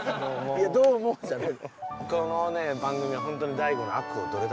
いや「どうも」じゃない。